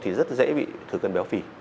thì rất dễ bị thừa cân béo phì